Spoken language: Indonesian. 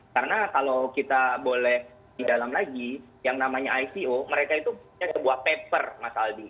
karena kalau kita boleh di dalam lagi yang namanya ico mereka itu punya sebuah paper mas albi